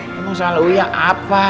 masalah uya apa